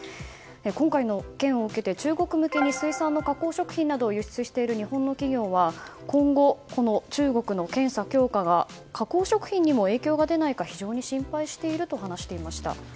今回の件を受けて、中国向けに水産の加工食品などを輸出している日本の企業は今後、この中国の検査強化が加工食品にも影響が出ないか非常に心配していると話していました。